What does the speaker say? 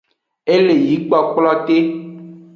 E le yi kplokplote.